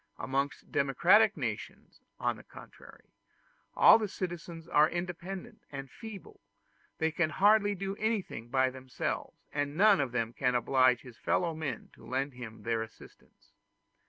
Amongst democratic nations, on the contrary, all the citizens are independent and feeble; they can do hardly anything by themselves, and none of them can oblige his fellow men to lend him their assistance.